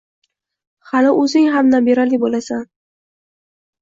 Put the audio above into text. Hali o‘zing ham nabirali bo‘larsan